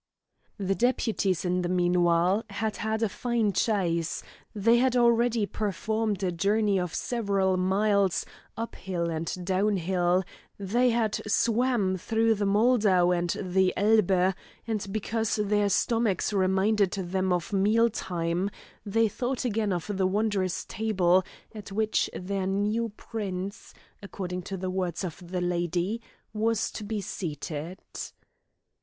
The deputies in the meanwhile had had a fine chase; they had already performed a journey of several miles, uphill and downhill, they had swam through the Moldau and the Elbe, and because their stomachs reminded them of meal time, they thought again of the wondrous table, at which their new prince, according to the words of the lady, was to be seated.